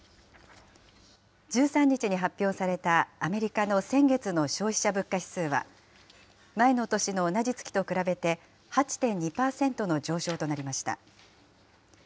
１３日に発表されたアメリカの先月の消費者物価指数は、前の年の同じ月と比べて、８．２％の上昇となりました。